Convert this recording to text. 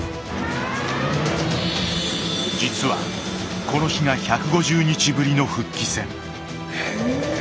実はこの日が１５０日ぶりの復帰戦。へ。